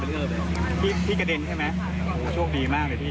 โชคดีมากเลยพี่